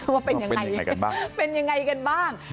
ว่าเป็นยังไงเป็นยังไงกันบ้าง